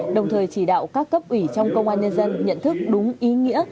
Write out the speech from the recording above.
đồng thời chỉ đạo các cấp ủy trong công an nhân dân nhận thức đúng ý nghĩa